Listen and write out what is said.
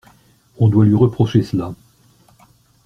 On doit lui reprocher cela.